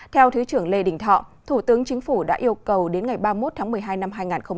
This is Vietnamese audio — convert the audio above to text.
theo thứ trưởng lê đình thọ thủ tướng chính phủ đã yêu cầu đến ngày ba mươi một tháng một mươi hai năm hai nghìn hai mươi